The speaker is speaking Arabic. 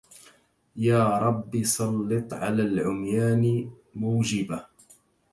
يا رب سلط على العميان موجبة